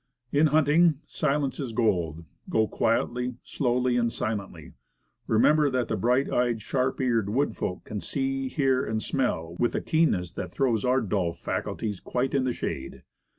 In hunting, "silence is gold." Go quietly, slowly, and silently. Remember that the bright eyed, sharp eared wood folk can see, hear and smell, with a keenness that throws your dull faculties quite in the shade.